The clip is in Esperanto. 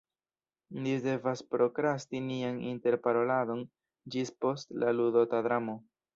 Ni devas prokrasti nian interparoladon ĝis post la ludota dramo.